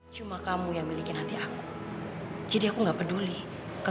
sampai jumpa di video selanjutnya